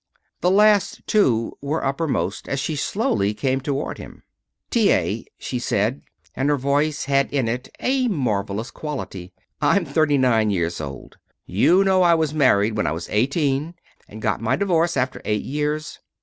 The last two were uppermost as she slowly came toward him. "T. A.," she said, and her voice had in it a marvelous quality, "I'm thirty nine years old. You know I was married when I was eighteen and got my divorce after eight years.